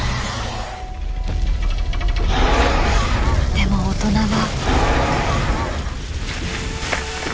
でも大人は。